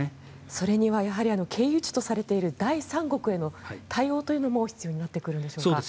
それには、やはり経由地とされている第三国への対応というのも必要になってくるでしょうか。